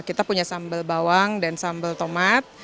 kita punya sambal bawang dan sambal tomat